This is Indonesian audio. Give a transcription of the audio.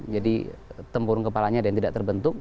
jadi tempurung kepalanya dan tidak terbentuk